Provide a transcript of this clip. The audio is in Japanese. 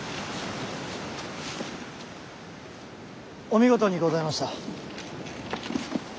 お見事にございました。